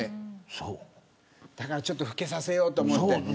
だから、ちょっと老けさせようと思って。